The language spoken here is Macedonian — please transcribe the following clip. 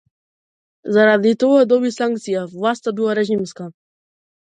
Заради тоа што доби санкција, власта била режимска